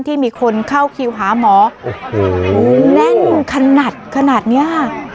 ที่มีคนเข้าคิวหาหมอแน่นขนาดขนาดเนี้ยค่ะ